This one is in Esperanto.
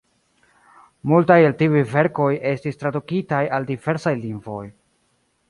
Multaj el tiuj verkoj estis tradukitaj al diversaj lingvoj.